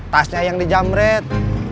tasnya yang dijamret